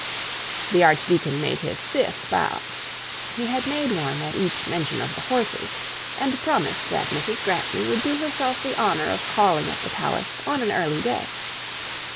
The archdeacon made his fifth bow: he had made one at each mention of the horses; and promised that Mrs Grantly would do herself the honour of calling at the palace on an early day.